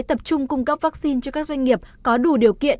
tập trung cung cấp vaccine cho các doanh nghiệp có đủ điều kiện